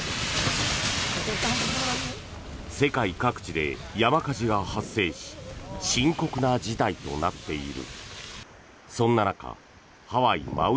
世界各地で山火事が発生し深刻な事態となっている。